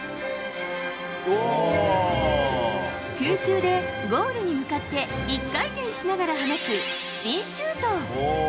空中でゴールに向かって１回転しながら放つスピンシュート。